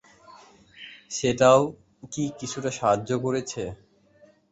সেটাও কি কিছুটা সাহায্য করেছে?